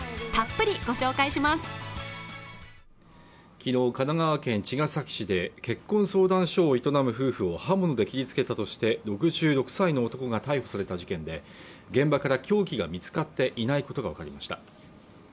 昨日神奈川県茅ケ崎市で結婚相談所を営む夫婦を刃物で切りつけたとして６６歳の男が逮捕された事件で現場から凶器が見つかっていないことが分かりました